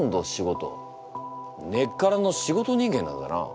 根っからの仕事人間なんだな。